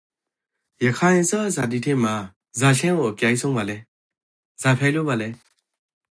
ရခိုင်အစားအစာတိထဲမှာဇာချင့်ကို အကြိုက်ဆုံးပါလဲ? ဇာဖြစ်လို့ဘာလဲ?